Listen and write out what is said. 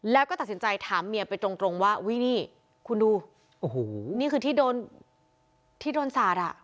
แล้วก็ตัดสินใจถามเมียไปตรงตรงว่าอุ้ยนี่คุณดูโอ้โหนี่คือที่โดนที่โดนสาดอ่ะ